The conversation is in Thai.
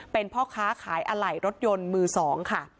เป็นพ่อค้าขายอะไหล่รถยนต์มือ๒ค่ะ